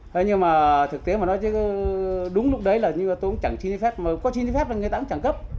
thế nhưng mà thực tế mà nói chứ đúng lúc đấy là tôi cũng chẳng xin phép mà có xin phép là người ta cũng chẳng cấp